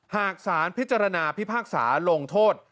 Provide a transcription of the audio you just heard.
หากสารพิจารณาพิพากษาลงโทษ